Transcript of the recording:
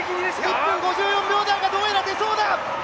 １分５４秒台がどうやら出そうだ。